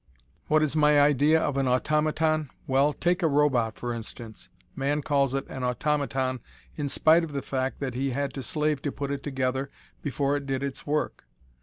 What is my idea of an automaton? Well, take a robot for instance. Man calls it an automaton in spite of the fact that he had to slave to put it together before it did its work.